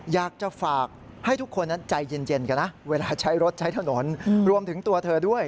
อยากจะฝากให้ทุกคนนั้นใจเย็นกันนะเวลาใช้รถใช้ถนนรวมถึงตัวเธอด้วย